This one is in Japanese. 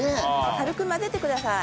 軽く混ぜてください。